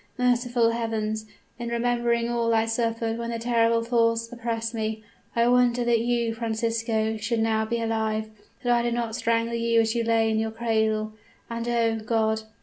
Merciful heavens! in remembering all I suffered when the terrible thoughts oppressed me, I wonder that you, Francisco, should now be alive that I did not strangle you as you lay in your cradle. And, oh God!